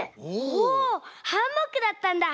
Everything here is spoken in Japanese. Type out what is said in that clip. おハンモックだったんだ！